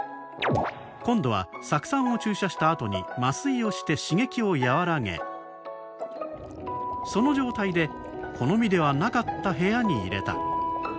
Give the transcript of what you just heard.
今度は酢酸を注射したあとに麻酔をして刺激を和らげその状態で好みではなかった部屋に入れた。